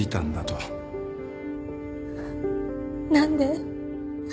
何で？